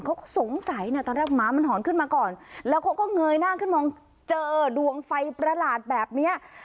เขาสงสัยนะตอนแรกหมามันหอนขึ้นมาก่อนแล้วเขาก็เงยหน้าขึ้นมองเจอดวงไฟประหลาดแบบเนี้ย